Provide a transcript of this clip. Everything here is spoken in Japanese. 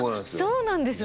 そうなんですね。